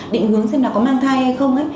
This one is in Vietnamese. định hướng xem là có mang thai hay không